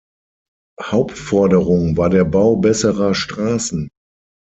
Hauptforderung war der Bau besserer Straßen.